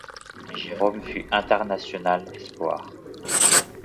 Jérôme fut international espoir.